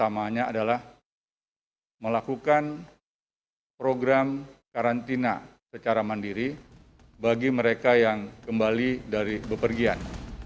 pertamanya adalah melakukan program karantina secara mandiri bagi mereka yang kembali dari bepergian